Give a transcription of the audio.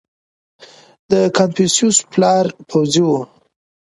• د کنفوسیوس پلار پوځي و.